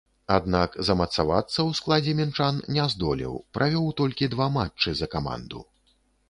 Аднак, замацавацца ў складзе мінчан не здолеў, правёў толькі два матчы за каманду.